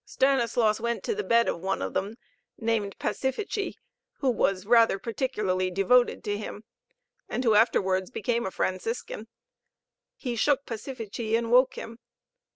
Stanislaus went to the bed of one of them, named Pacifici, who was rather particularly devoted to him, and who afterwards became a Franciscan. He shook Pacifici and woke him.